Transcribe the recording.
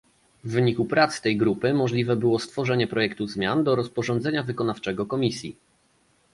W wyniku prac tej grupy możliwe było stworzenie projektu zmian do rozporządzenia wykonawczego Komisji